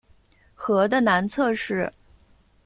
河的南侧是。